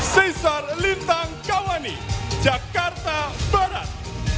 sesar lintang kawani jakarta barat